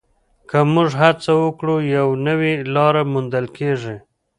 که موږ هڅه وکړو، یوه نوې لاره موندل کېږي.